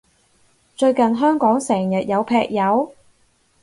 最近香港成日有劈友？